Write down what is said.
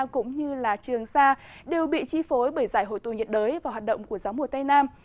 cũng như trường sa đều bị chi phối bởi giải hồ tụ nhiệt đới và hoạt động của gió mùa tây nam